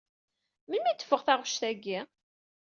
Melmi i d-teffeɣ taɣect agi?